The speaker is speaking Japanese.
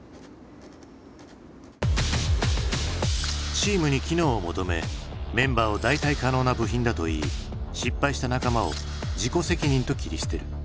チームに機能を求めメンバーを代替可能な部品だと言い失敗した仲間を自己責任と切り捨てる。